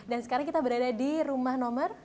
dan sekarang kita berada di rumah nomor